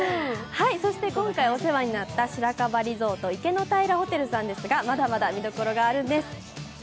そして、今回お世話になった白樺リゾート池の平ホテルさんですが、まだまだ見どころがあるんです。